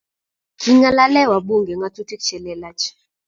king'alale wabunge ng'otutik chelelach